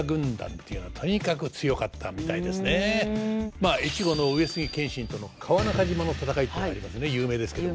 まあ越後の上杉謙信との川中島の戦いっていうのありますね有名ですけど。